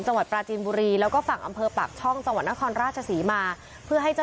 จังหวัดปราจีนบุรีแล้วก็ฝั่งอำเภอปากช่องจังหวัดนครราชศรีมาเพื่อให้เจ้า